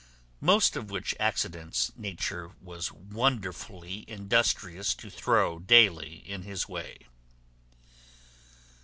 Most of which accidents nature was wonderfully industrious to throw daily in his way.